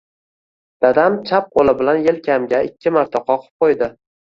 Dadam chap qoʻli bilan yelkamga ikki marta qoqib qoʻydi.